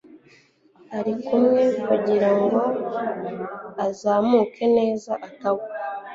Arikumwe kugirango azamuke neza atagwa